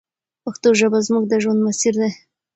پښتو ژبه زموږ د ژوند مسیر دی.